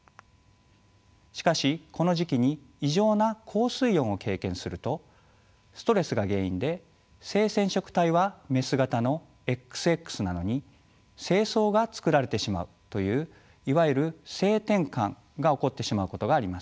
しかしこの時期に異常な高水温を経験するとストレスが原因で性染色体はメス型のＸＸなのに精巣が作られてしまうといういわゆる性転換が起こってしまうことがあります。